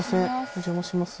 お邪魔します